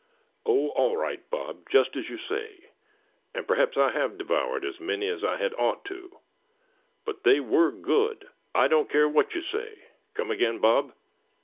"Oh! all right, Bob, just as you say; and perhaps I have devoured as many as I had ought to; but they were good, I don't care what you say. Come again, Bob."